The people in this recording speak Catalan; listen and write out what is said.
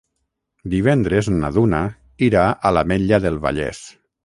Divendres na Duna irà a l'Ametlla del Vallès.